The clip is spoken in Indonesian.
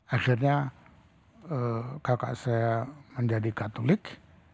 akhirnya kakak saya menjadi katolik